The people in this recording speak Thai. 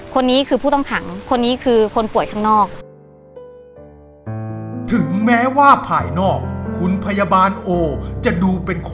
คนนี้คือผู้ต้องขังคนนี้คือคนป่วยข้างนอก